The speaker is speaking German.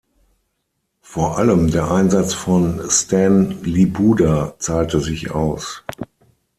Vor allem der Einsatz von ‚Stan’ Libuda zahlte sich aus.